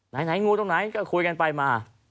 ไหนงูตรงไหนก็คุยกันไปมา